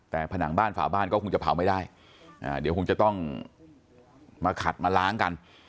แต่ผนังบ้านฝาบ้านก็คงจะเผาไม่ได้เดี๋ยวคงจะต้องมาขัดมาล้างกัน